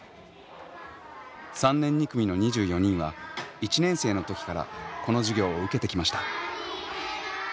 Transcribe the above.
３年２組の２４人は１年生の時からこの授業を受けてきました。